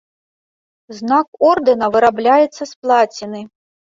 Знак ордэна вырабляецца з плаціны.